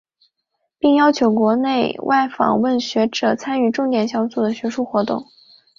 并邀请国内外访问学者参与重点小组的学术活动。